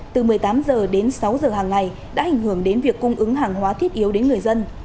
từ một mươi tám h đến sáu h hàng ngày đã ảnh hưởng đến việc cung ứng hàng hóa thiết yếu đến người dân